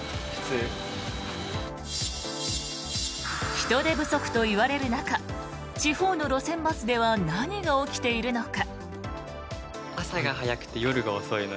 人手不足といわれる中地方の路線バスでは何が起きているのか。